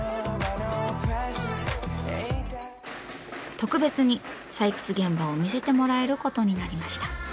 特別に採掘現場を見せてもらえることになりました。